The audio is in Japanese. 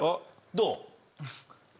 どう？